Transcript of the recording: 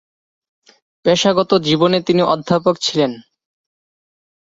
পেশাগত জীবনে তিনি অধ্যাপক ছিলেন।